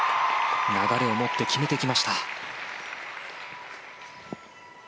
流れを持って決めてきました。